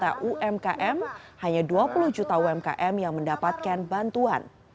dari dua puluh juta umkm hanya dua puluh juta umkm yang mendapatkan bantuan